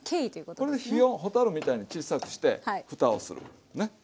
これで火を蛍みたいにちっさくしてふたをするね。